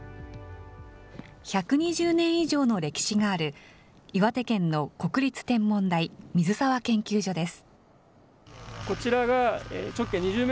１２０年以上の歴史がある、岩手県の国立天文台水沢観測所です。